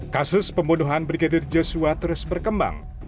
kasus pembunuhan brigadir joshua terus berkembang